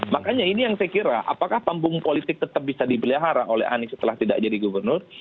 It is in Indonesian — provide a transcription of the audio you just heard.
makanya ini yang saya kira apakah panggung politik tetap bisa dipelihara oleh anies setelah tidak jadi gubernur